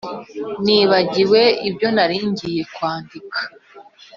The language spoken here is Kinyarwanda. Nibagiwe ibyo naringiye kwandika